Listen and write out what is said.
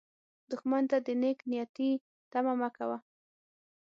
دښمن ته د نېک نیتي تمه مه کوه